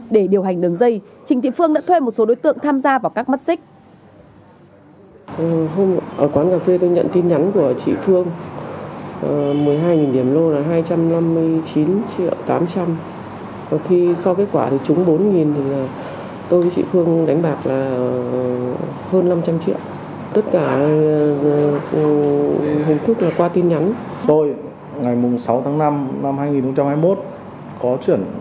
để điều hành đường dây trịnh thị phương đã thuê một số đối tượng tham gia vào các mắt xích